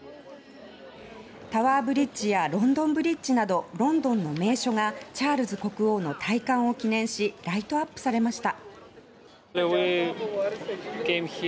タワーブリッジやロンドンブリッジなどロンドンの名所がチャールズ国王の戴冠を記念しライトアップされました。